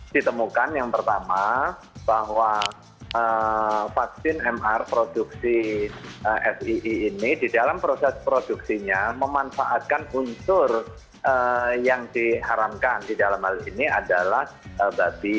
ditemukan yang pertama bahwa vaksin mr produksi fii ini di dalam proses produksinya memanfaatkan unsur yang diharamkan di dalam hal ini adalah babi